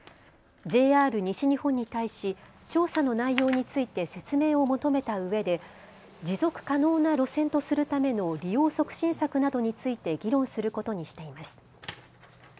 ＪＲ西日本に対し調査の内容について説明を求めたうえで持続可能な路線とするための利用促進策などについて議論することにしています。